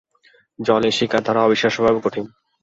জলে শিকার ধরা অবিশ্বাস্যভাবে কঠিন।